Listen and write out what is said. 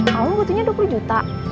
kamu butuhnya dua puluh juta